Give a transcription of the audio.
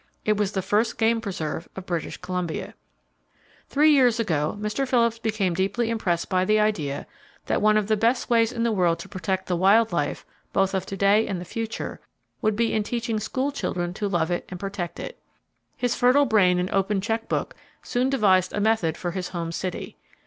It was the first game preserve of British Columbia. [Page 379] Three years ago, Mr. Phillips became deeply impressed by the idea that one of the best ways in the world to protect the wild life, both of to day and the future, would be in teaching school children to love it and protect it. His fertile brain and open check book soon devised a method for his home city.